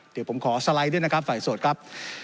เดี๋ยวผมขอสไลด์ด้วยนะครับฝ่ายโสดครับ